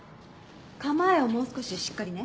構えをもう少ししっかりね。